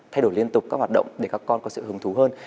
thay đổi liên tục các hoạt động để các con có sự hứng thú hơn